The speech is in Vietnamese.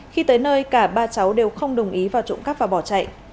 khi tới nơi cả ba cháu đều không đồng ý vào trộm cắp và bỏ chạy